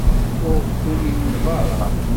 Ur ɣ-tumineḍ ara?